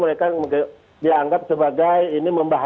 mereka juga tidak dianggap sebagai pemerintah